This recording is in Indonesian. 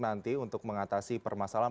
nanti untuk mengatasi permasalahan